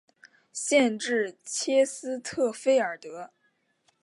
县治切斯特菲尔德。